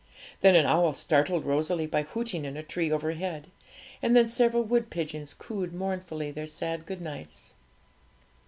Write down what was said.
Then an owl startled Rosalie by hooting in a tree overhead, and then several wood pigeons cooed mournfully their sad good nights.